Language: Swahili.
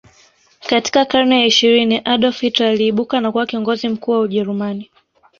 Katika karne ya ishirini Adolf Hitler aliibuka na kuwa kiongozi mkuu wa ujerumani